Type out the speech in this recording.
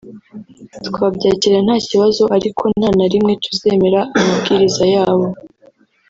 twabyakira nta kibazo; ariko nta na rimwe tuzemera amabwiriza yabo”